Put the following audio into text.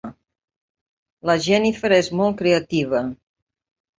La Jennifer és molt creativa.